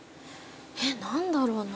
えっなんだろうな。